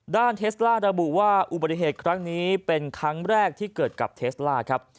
เทสล่าระบุว่าอุบัติเหตุครั้งนี้เป็นครั้งแรกที่เกิดกับเทสล่าครับ